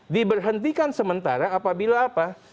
diberhentikan sementara apabila apa